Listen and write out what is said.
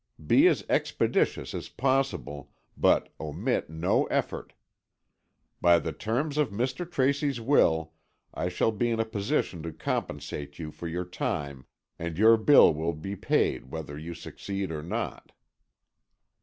Be as expeditious as possible, but omit no effort. By the terms of Mr. Tracy's will, I shall be in a position to compensate you for your time, and your bill will be paid whether you succeed or not."